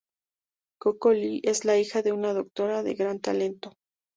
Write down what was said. Coco Lee es la hija de una doctora de gran talento.